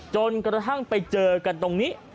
จนกระทั่งไปเจอกันตรงนี้